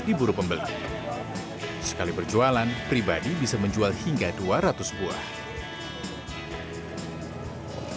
di buru pembeli sekali perjualan pribadi bisa menjual hingga dua ratus buah sebelumnya memang orang